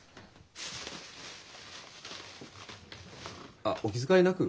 あお気遣いなく。